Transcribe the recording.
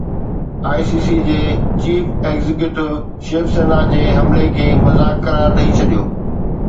I C C جي chief executive Shiv Sena جي حملي کي مذاق قرار ڏئي ڇڏيو